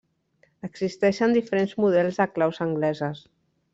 Existeixen diferents models de claus angleses.